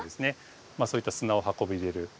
まあそういった砂を運び入れる。